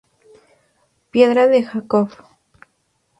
Piedra de Jacob